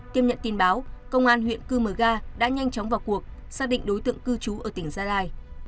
tiếp nhận tin báo công an huyện cư mờ ga đã nhanh chóng vào cuộc xác định đối tượng cư trú ở tỉnh gia lai